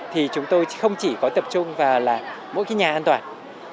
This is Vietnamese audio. thì chúng tôi không chỉ có tập trung vào là mỗi cái nhà an toàn